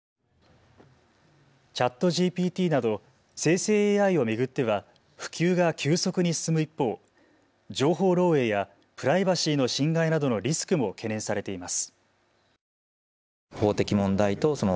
ＣｈａｔＧＰＴなど生成ＡＩを巡っては普及が急速に進む一方、情報漏えいやプライバシーの侵害などのリスクも懸念されています。